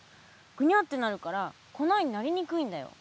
ぐにゃってなるから粉になりにくいんだよ。